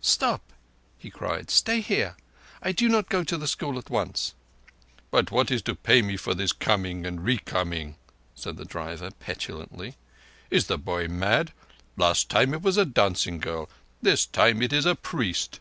"Stop!" he cried. "Stay here. I do not go to the school at once." "But what is to pay me for this coming and re coming?" said the driver petulantly. "Is the boy mad? Last time it was a dancing girl. This time it is a priest."